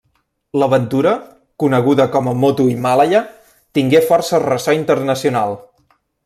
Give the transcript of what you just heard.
L'aventura, coneguda com a Moto Himàlaia, tingué força ressò internacional.